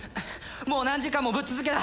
もう何時間もぶっ続けだ